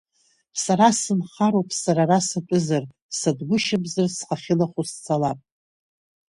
Сара сынхароуп сара ара сатәызар, сатәгәышьамзар схы ахьынахоу сцалап.